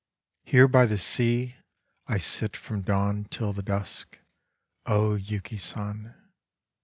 ^' Here by the sea I sit from dawn till the dusk, O Yuki San